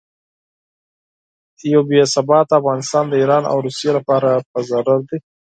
یو بې ثباته افغانستان د ایران او روسیې لپاره په ضرر دی.